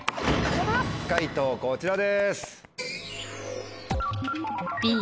解答こちらです。